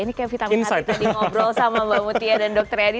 ini kayak vitamin hati tadi ngobrol sama mbak mutia dan dr yadi